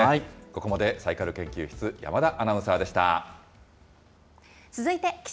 ここまでサイカル研究室、山田アナウンサーでした。